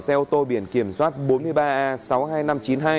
xe ô tô biển kiểm soát bốn mươi ba a sáu mươi hai nghìn năm trăm chín mươi hai